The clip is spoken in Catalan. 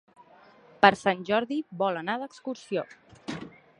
Per Sant Jordi vol anar d'excursió.